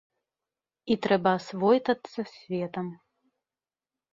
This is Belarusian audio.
І трэба асвойтацца з светам.